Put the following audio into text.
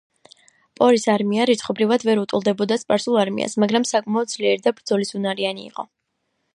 პორის არმია რიცხობრივად ვერ უტოლდებოდა სპარსულ არმიას, მაგრამ საკმაოდ ძლიერი და ბრძოლისუნარიანი იყო.